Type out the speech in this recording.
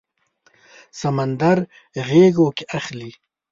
سمندر غیږو کې اخلي